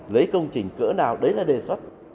lấy công trình cỡ nào đấy là đề xuất